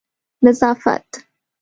نظافت